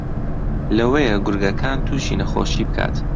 لەوەیە گورگەکان تووشی نەخۆشی بکات